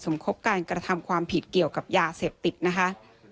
คบการกระทำความผิดเกี่ยวกับยาเสพติดนะคะ